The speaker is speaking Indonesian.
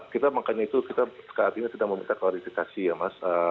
kita makanya itu kita saat ini sedang meminta klarifikasi ya mas